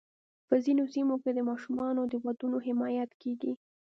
په ځینو سیمو کې د ماشومانو د ودونو حمایت کېږي.